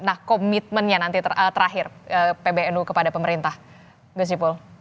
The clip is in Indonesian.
nah komitmennya nanti terakhir pbnu kepada pemerintah gus ipul